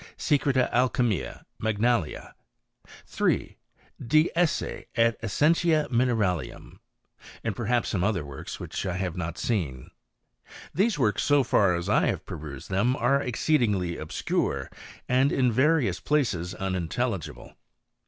Secreta Alchymio; Magnalia. 3. De Esse et Essentia Mineralium ; nd perhaps some other works, which I have not seen. These works, so far as I have perused them, are xceedingly obscure, and in various places unintelli gible.